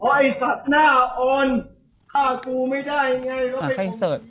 เพราะไอ้สัตว์น่าอ่อนฆ่ากูไม่ได้ยังไง